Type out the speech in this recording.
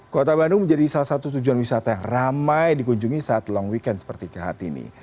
kota bandung menjadi salah satu tujuan wisata yang ramai dikunjungi saat long weekend seperti kehati ini